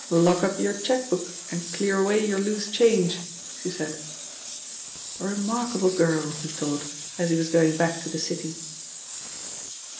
Lock up your cheque book and clear away your loose change," she said. "A remarkable girl," he thought as he was going back to the city.